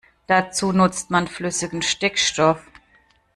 Dazu nutzt man flüssigen Stickstoff.